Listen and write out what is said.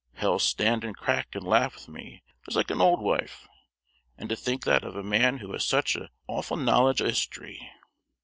Hell stand and crack and lauff wi' me, just like an auld wife and to think that of a man who has such an awfu' knowledge o' history!"